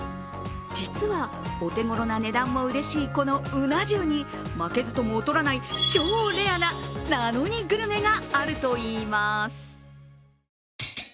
実はお手頃な値段もうれしいこのうな重に負けじとも劣らない、超レアな「な・の・にグルメ」があるといいます。